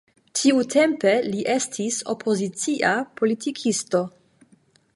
Tiutempe li estis opozicia politikisto.